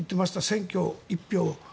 選挙、１票が。